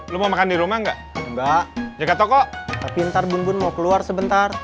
lu mau makan di rumah enggak enggak jaga toko tapi ntar bunbun mau keluar sebentar